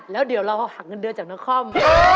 แล้วเดี๋ยวเราหักเงินเดือนจากนคร